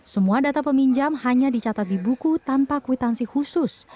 semua data peminjam hanya dicatat di buku tanpa kwitansi khusus